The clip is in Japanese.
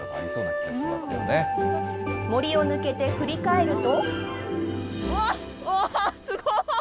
森を抜けて振り返ると。